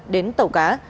đến tàu cá